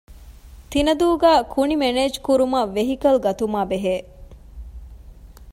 ތިނަދޫގައި ކުނި މެނޭޖްކުރުމަށް ވެހިކަލް ގަތުމާއި ބެހޭ